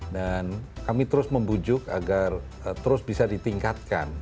dan kami terus membujuk agar terus bisa ditingkatkan